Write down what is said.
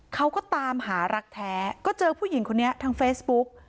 เขาก็ตามหารักแท้ก็เจอผู้หญิงคนนี้ทางเฟซบุ๊ก